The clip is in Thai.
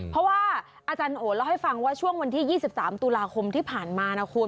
เพราะว่าอาจารย์โอเล่าให้ฟังว่าช่วงวันที่๒๓ตุลาคมที่ผ่านมานะคุณ